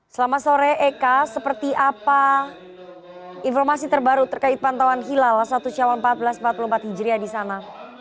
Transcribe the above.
selamat sore eka seperti apa informasi terbaru terkait pantauan hilal satu syawal seribu empat ratus empat puluh empat hijriah di sana